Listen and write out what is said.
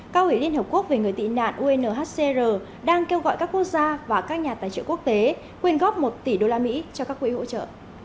cao ủy liên hợp quốc về người tị nạn unhcr đang kêu gọi các quốc gia và các nhà tài trợ quốc tế quyên góp một tỷ usd cho các quỹ hỗ trợ